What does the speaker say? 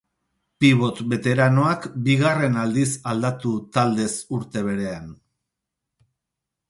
Pibot beteranoak bigarren aldiz aldatu taldez urte berean.